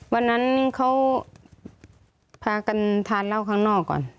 วันนั้นเขาพากันทานเหล้าข้างนอกก่อน